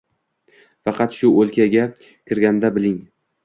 Faqat shu o’lkaga kirganda bilding